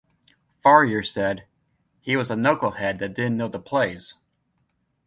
Farrior said, He was a knucklehead that didn't know the plays.